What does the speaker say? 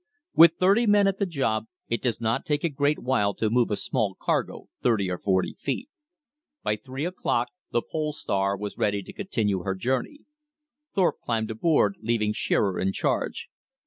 With thirty men at the job it does not take a great while to move a small cargo thirty or forty feet. By three o'clock the Pole Star was ready to continue her journey. Thorpe climbed aboard, leaving Shearer in charge.